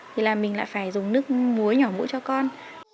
thì là mình lại phải dùng nước muối nhỏ mũ cho con